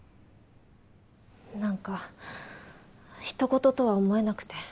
何かひと事とは思えなくて。